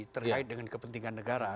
terkait dengan kepentingan negara